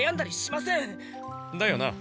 だよな。